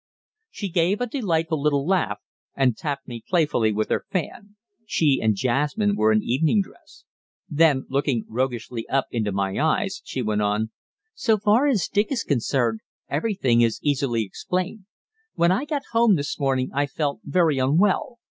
She gave a delightful little laugh, and tapped me playfully with her fan she and Jasmine were in evening dress. Then, looking roguishly up into my eyes, she went on: "So far as Dick is concerned, everything is easily explained. When I got home this morning I felt very unwell.